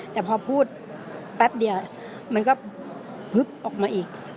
แต่พอพูดแป๊บเดียวมันก็พึบออกมาอีก